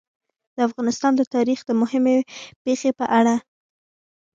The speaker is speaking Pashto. د افغانستان د تاریخ د مهمې پېښې په اړه.